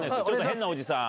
変なおじさん